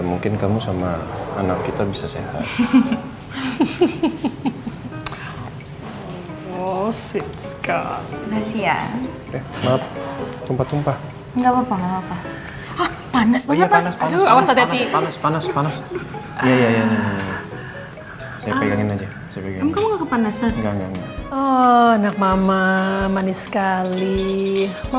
jangan masuk ruangan saya